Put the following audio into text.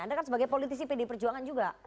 anda kan sebagai politisi pd perjuangan juga